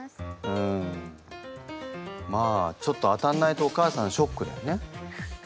うんまあちょっと当たんないとお母さんショックだよね？